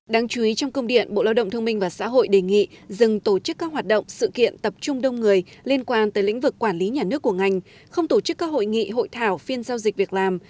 đáng chú ý trong công điện bộ lao động thương minh và xã hội đề nghị dừng tổ chức các hoạt động sự kiện tập trung đông người liên quan tới lĩnh vực quản lý nhà nước của ngành không tổ chức các hội nghị hội thảo phiên giao dịch việc làm